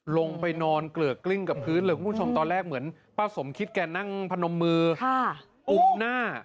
ลงไปนอนเกลือกกลิ้งกับพื้นเลยคุณผู้ชมตอนแรกเหมือนป้าสมคิดแกนั่งพนมมืออุ้มหน้า